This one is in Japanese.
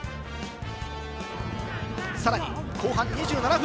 さらに後半２７分。